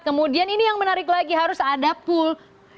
kemudian ini yang menarik lagi harus ada pool